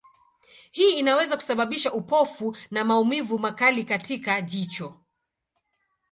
Hii inaweza kusababisha upofu na maumivu makali katika jicho.